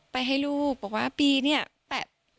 ให้ลูกบอกว่าปีเนี่ยแปะ